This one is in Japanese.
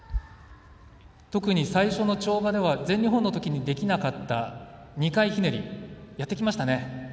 特に最初の跳馬では全日本のときにできなかった２回ひねりやってきましたね。